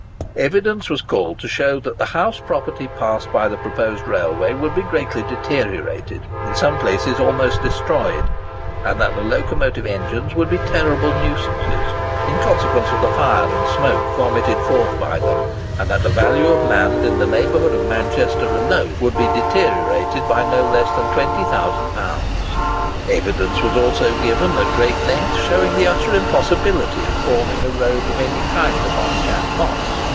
Evidence was called to show that the house property passed by the proposed railway would be greatly deteriorated—in some places almost destroyed; that the locomotive engines would be terrible nuisances, in consequence of the fire and smoke vomited forth by them; and that the value of land in the neighbourhood of Manchester alone would be deteriorated by no less than £20,000! Evidence was also given at great length showing the utter impossibility of forming a road of any kind upon Chat Moss.